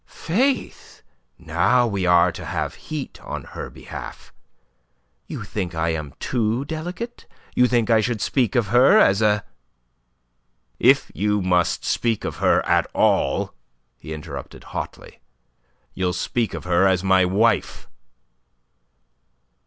"Faith, now we are to have heat on her behalf. You think I am too delicate? You think I should speak of her as a..." "If you must speak of her at all," he interrupted, hotly, "you'll speak of her as my wife."